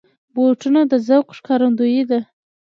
بوټونه د ذوق ښکارندوی دي.